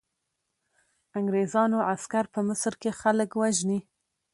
انګریزانو عسکر په مصر کې خلک وژني.